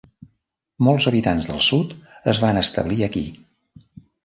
Molts habitants del Sud es van establir aquí.